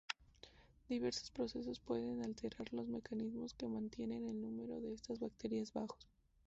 Diversos procesos pueden alterar los mecanismos que mantienen el número de estas bacterias bajos.